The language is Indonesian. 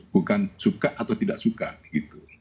bukan suka atau tidak suka gitu